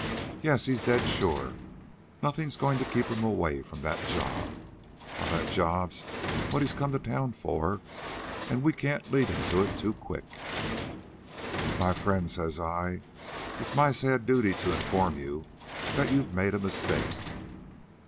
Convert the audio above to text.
Yes, he's dead sure. Nothin's goin' to keep him away from that job. Why, that job's what he come to town for, an' we can't lead him to it too quick. "'Well, my friend,' says I, 'it's my sad duty to inform you that you've made a mistake.'